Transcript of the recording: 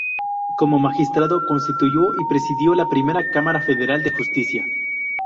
Como magistrado constituyó y presidió la primera Cámara Federal de Justicia.